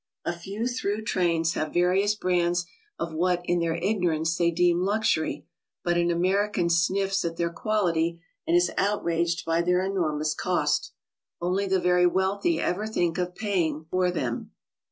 A few through trains have various brands of what in their ignorance they deem luxury, but an American sniffs at their quality and is outraged by their enormous cost. Only the very wealthy ever think of paying for them.